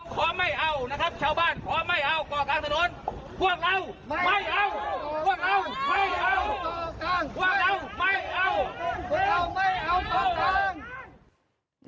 พอไม่เอานะครับชาวบ้านพอไม่เอาก็กลางถนนพวกเราไม่เอาพวกเราไม่เอาพวกเราไม่เอาไม่เอา